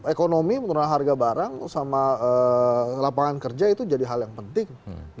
ekonomi menurun harga barang sama lapangan kerja itu jadi hal yang penting